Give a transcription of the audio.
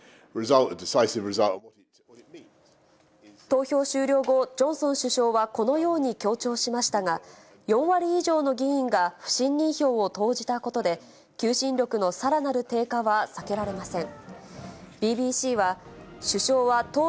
投票終了後、ジョンソン首相はこのように強調しましたが、４割以上の議員が不信任票を投じたことで、求心力のさらなる低下は避けられません。